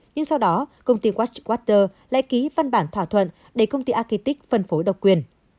nhưng sau đó công ty watchwater lại ký văn bản thỏa thuận để công ty architect phân phối độc quyền